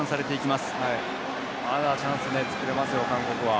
まだチャンス作れますよ、韓国は。